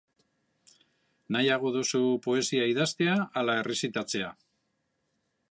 Nahiago duzu poesia idaztea ala errezitatzea?